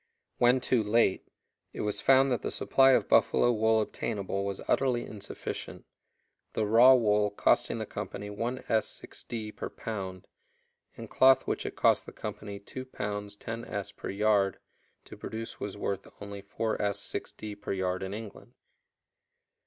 When too late, it was found that the supply of buffalo wool obtainable was utterly insufficient, the raw wool costing the company 1_s._ 6_d._ per pound, and cloth which it cost the company £2 10_s._ per yard to produce was worth only 4_s._ 6_d._ per yard in England.